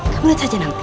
kamu lihat saja nanti